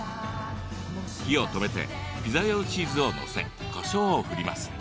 火を止めてピザ用チーズを載せこしょうを振ります。